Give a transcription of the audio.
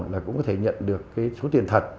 là cũng có thể nhận được cái số tiền thật